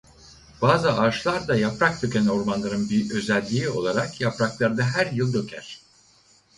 Bazı ağaçlar da yaprak döken ormanların bir özelliği olarak yapraklarını her yıl döker.